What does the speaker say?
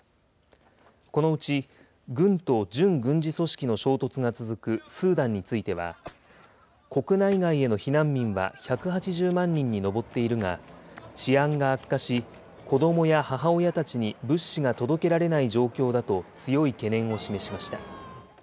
このうち、軍と準軍事組織の衝突が続くスーダンについては、国内外への避難民は１８０万人に上っているが、治安が悪化し、子どもや母親たちに物資が届けられない状況だと強い懸念を示しました。